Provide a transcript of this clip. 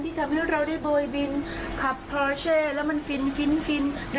ที่ทำให้เราได้บ่อยบินขับแล้วมันฟินฟินฟิน